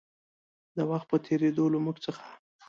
د وخـت پـه تېـرېدو لـه مـوږ څـخـه